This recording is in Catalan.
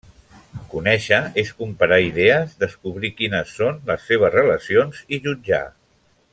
Conèixer, és comparar idees, descobrir quines són les seves relacions, i jutjar.